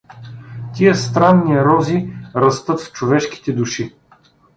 Тия странни рози растат в човешките души.